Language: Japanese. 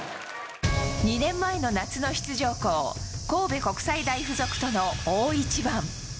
２年前の夏の出場校、神戸国際大附属との大一番。